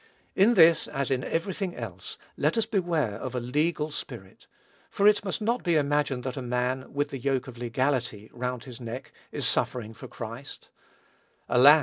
In this, as in every thing else, let us beware of a legal spirit; for it must not be imagined that a man, with the yoke of legality round his neck, is suffering for Christ; alas!